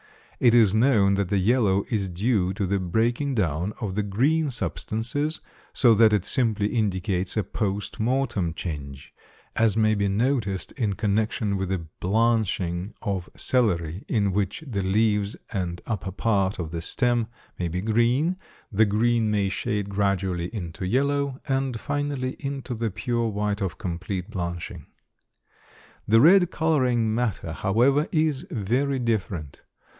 It is known that the yellow is due to the breaking down of the green substances, so that it simply indicates a post mortem change, as may be noticed in connection with the blanching of celery in which the leaves and upper part of the stem may be green, the green may shade gradually into yellow, and finally into the pure white of complete blanching. The red coloring matter, however, is very different.